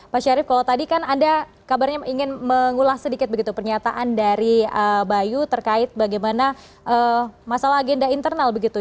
pak syarif kalau tadi kan anda kabarnya ingin mengulas sedikit begitu pernyataan dari bayu terkait bagaimana masalah agenda internal begitu